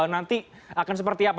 nanti akan seperti apa